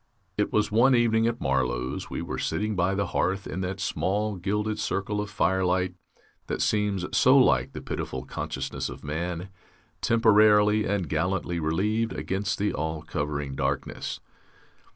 It was one evening at Marlow's, we were sitting by the hearth in that small gilded circle of firelight that seems so like the pitiful consciousness of man, temporarily and gallantly relieved against the all covering darkness.